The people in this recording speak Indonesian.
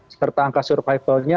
sepertang angka survival juga